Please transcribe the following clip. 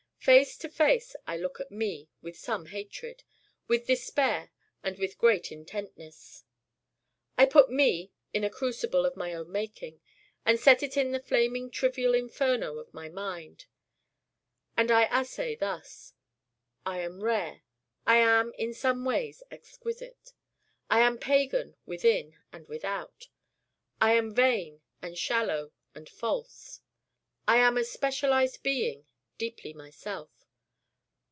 Face to face I look at Me with some hatred, with despair and with great intentness. I put Me in a crucible of my own making and set it in the flaming trivial Inferno of my mind. And I assay thus: I am rare I am in some ways exquisite. I am pagan within and without. I am vain and shallow and false. I am a specialized being, deeply myself.